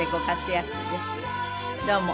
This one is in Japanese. どうも。